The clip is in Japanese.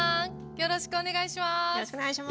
よろしくお願いします。